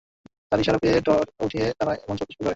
তার ইশারা পেয়ে উট উঠে দাঁড়ায় এবং চলতে শুরু করে।